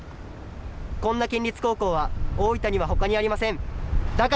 こんな県立高校は大分には他にありません。